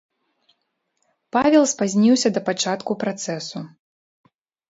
Павел спазніўся да пачатку працэсу.